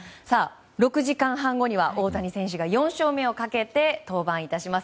６時間半後には大谷選手が４勝目をかけて登板いたします。